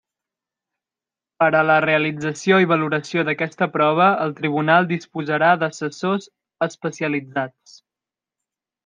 Per a la realització i valoració d'aquesta prova el Tribunal disposarà d'assessors especialitzats.